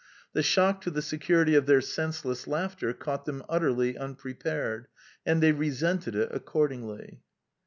The shock to the security of their senseless laughter caught them utterly unprepared; and they resented it accordingly.